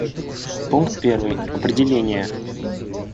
Пункт первый: определения.